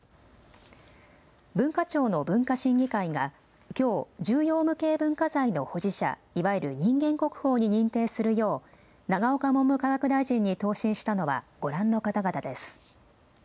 文化庁の文化審議会がきょう重要無形文化財の保持者、いわゆる人間国宝に認定するよう永岡文部科学大臣に答申したのはご覧の方々です。